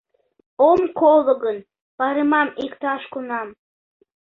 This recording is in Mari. Ом коло гын, паремам иктаж-кунам...